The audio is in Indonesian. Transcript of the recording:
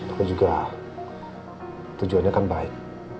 tapi juga tujuannya kan baik